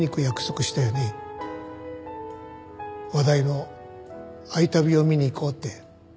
話題の『愛旅』を見に行こうって。